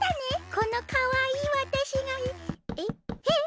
このかわいいわたしがえっ？